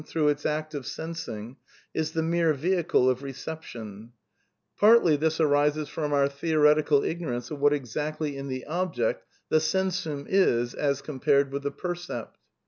through its act of sensing, is the mere vehicle of reception. \ 174 A DEFENCE OF IDEALISM Partly this arises from our theoretical ignorance of what exactly in the ohject the sensum is as compared with the percept.